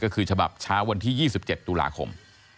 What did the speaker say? ก็คือฉบับเช้าวันที่๒๗ตุลาคม